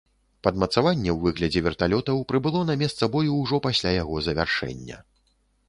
Падмацаванне ў выглядзе верталётаў прыбыло на месца бою ўжо пасля яго завяршэння.